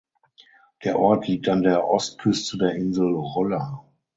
Der Ort liegt an der Ostküste der Insel Rolla.